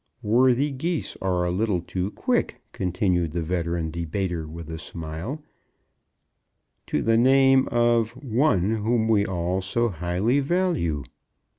"Worthy Geese are a little too quick," continued the veteran debater with a smile "to the name of one whom we all so highly value."